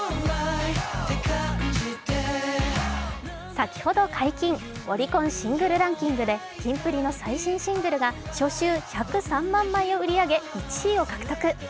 先ほど解禁、オリコンシングルランキングでキンプリの最新シングルが初週１０３万枚を売り上げ１位を獲得。